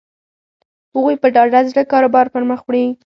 هغوی په ډاډه زړه کاروبار پر مخ وړي.